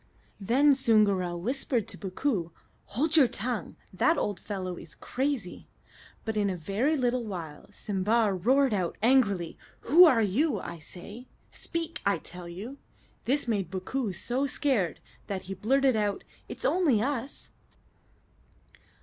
Then Soongoora whispered to Bookoo, "Hold your tongue; that old fellow is crazy." But in a very little while Simba roared out angrily: "Who are you, I say? Speak, I tell you!" This made Bookoo so scared that he blurted out, "It's only us!"